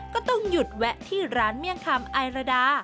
ก็ต้องหยุดแวะที่ร้านเมี่ยงคำไอราดา